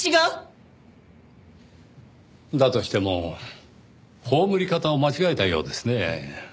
だとしても葬り方を間違えたようですねぇ。